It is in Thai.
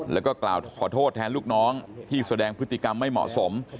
แล้วก็กล่าวขอโทษแทนลูกน้องที่แสดงพฤติกรรมไม่เหมาะสม